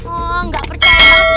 oh nggak percaya mbak